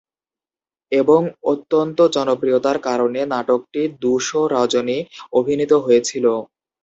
এবং অত্যন্ত জনপ্রিয়তার কারণে নাটকটি দু-শো রজনী অভিনীত হয়েছিল।